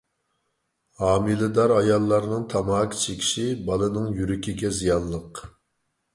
ھامىلىدار ئاياللارنىڭ تاماكا چېكىشى بالىنىڭ يۈرىكىگە زىيانلىق.